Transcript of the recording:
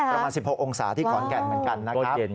ประมาณ๑๖องศาที่ขอนแก่นเหมือนกันนะครับ